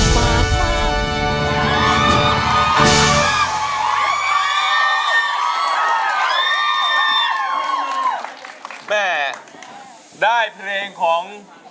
มาฟังอินโทรเพลงที่๑๐